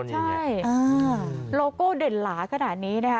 ใช่โลโก้เด่นหลาขนาดนี้นะคะ